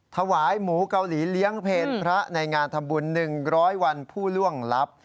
ถวายหมูเกาหลีเลี้ยงเพลพระในงานทำบุญ๑๐๐วันผู้ล่วงลับ